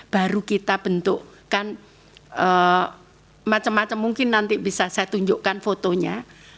baru kita bentukkan macam macam mungkin nanti bisa saya tunjukkan fotonya